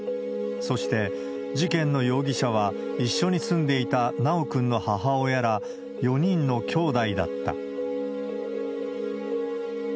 そして、事件の容疑者は一緒に住んでいた修くんの母親ら４人のきょうだいだった。